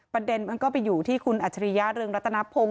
ประเด็นมันก็ไปอยู่ที่คุณอัจฉริยะเรืองรัตนพงศ